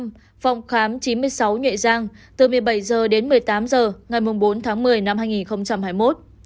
phòng khám chín mươi sáu nhuệ giang từ một mươi bảy h đến một mươi tám h ngày bốn tháng một mươi năm hai nghìn hai mươi một